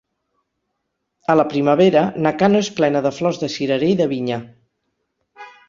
A la primavera, Nakano és plena de flors de cirerer i de vinya.